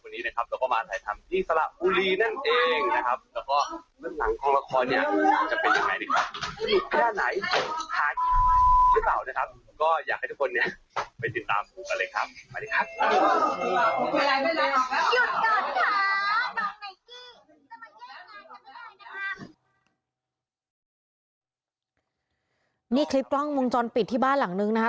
นี่คลิปกล้องวงจรปิดที่บ้านหลังนึงนะครับ